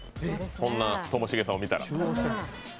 そんなともしげさんを見たら。